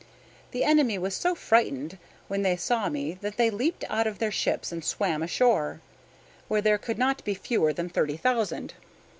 The enemy was so frightened when they saw me that they leaped out of their ships and swam ashore, where there could not be fewer than thirty thousand.